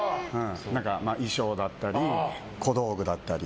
衣装だったり小道具だったり。